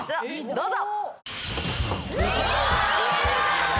どうぞ。